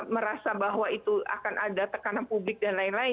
merasa bahwa itu akan ada tekanan publik dan lain lain